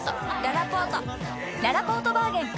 ららぽーとバーゲン開催！